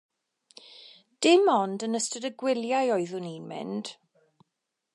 Dim ond yn ystod y gwyliau oeddwn i'n mynd.